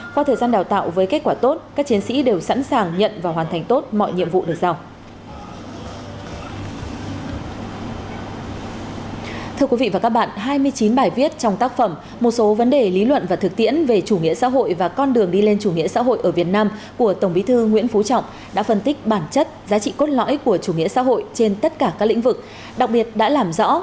qua thời gian đào tạo với kết quả tốt các chiến sĩ đều sẵn sàng nhận và hoàn thành tốt mọi nhiệm vụ được giao